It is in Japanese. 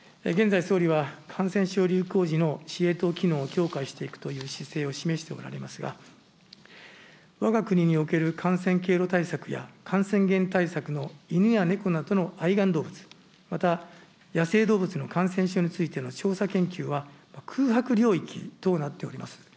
現在、総理は感染症流行時の司令塔機能を強化していくという姿勢を示しておられますが、わが国における感染経路対策や感染源対策の犬や猫などの愛がん動物、また野生動物の感染症についての調査研究は空白領域となっております。